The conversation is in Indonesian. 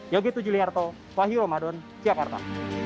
yogyetu juliarto wahyu romadon jakarta